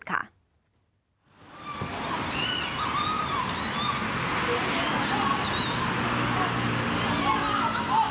ช่วยกันหน่อยดิว